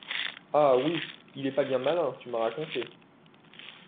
Ah oui, il est pas bien malin, tu m’as raconté.